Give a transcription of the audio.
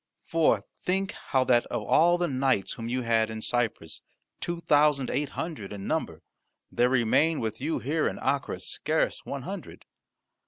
For think how that of all the knights whom you had in Cyprus, two thousand eight hundred in number, there remain with you here in Acre scarce one hundred.